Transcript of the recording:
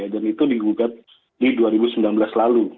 dan itu digugat di dua ribu sembilan belas lalu